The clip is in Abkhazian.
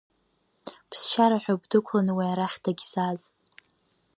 Ԥсшьараҳәоуп дықәланы уи арахь дагьзааз…